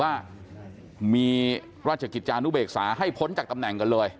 ว่ามีราชกิจจานุเบกษาให้พ้นจากตำแหน่งกันเลย